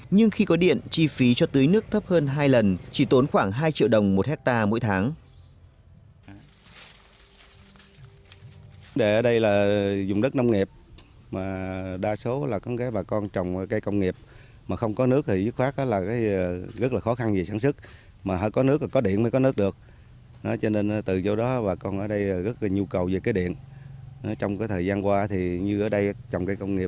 nhưng khi có điện chi phí cho tưới nước thấp hơn hai lần chỉ tốn khoảng hai triệu đồng một hectare mỗi tháng